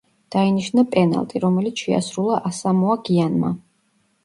დაინიშნა პენალტი, რომელიც შეასრულა ასამოა გიანმა.